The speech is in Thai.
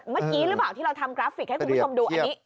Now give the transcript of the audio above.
เมื่อกี้หรือเปล่าที่เราทำกราฟิกให้คุณผู้ชมดูอันนี้